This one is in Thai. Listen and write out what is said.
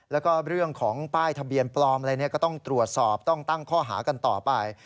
แล้วก็เรื่องของป้ายทะเบียนปลอมอะไรก็ต้องตรวจสอบต้องตั้งข้อหากันต่อไป